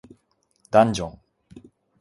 ダンジョン